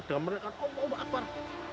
dan mereka oh wabar